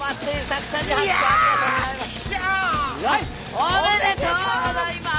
おめでとうございます！